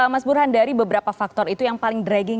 mas burhan dari beberapa faktor itu yang paling dragging